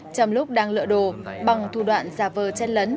trong lúc đang lỡ đồ bằng thủ đoạn giả vờ chen lấn